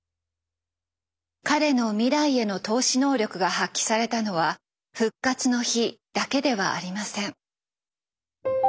彼の未来への透視能力が発揮されたのは「復活の日」だけではありません。